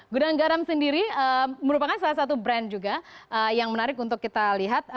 gudang garam sendiri merupakan salah satu brand juga yang menarik untuk kita lihat